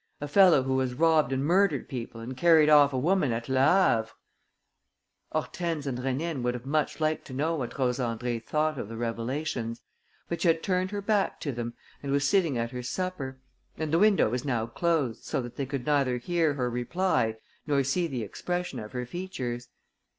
A fellow who has robbed and murdered people and carried off a woman at Le Havre ...!" Hortense and Rénine would have much liked to know what Rose Andrée thought of the revelations, but she had turned her back to them and was sitting at her supper; and the window was now closed, so that they could neither hear her reply nor see the expression of her features.